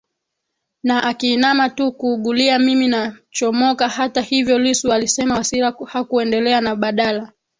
na akiinama tu kuugulia mimi nachomokaHata hivyo Lissu alisema Wasira hakuendelea na badala